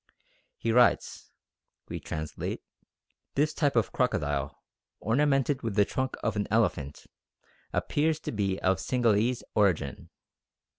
He writes (we translate): "This type of crocodile, ornamented with the trunk of an elephant, appears to be of Singhalese origin.